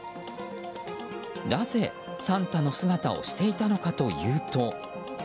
なぜ、サンタの姿をしていたのかというと。